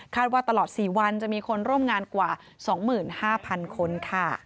ว่าตลอด๔วันจะมีคนร่วมงานกว่า๒๕๐๐๐คนค่ะ